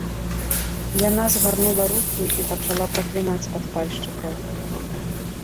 Яна згарнула рукі і пачала праклінаць падпальшчыкаў.